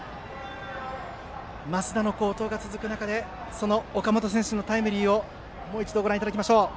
升田の好投が続く中で岡本選手のタイムリーをもう一度ご覧いただきましょう。